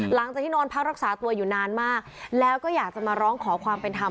หลังจากที่นอนพักรักษาตัวอยู่นานมากแล้วก็อยากจะมาร้องขอความเป็นธรรม